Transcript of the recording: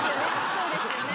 そうですよね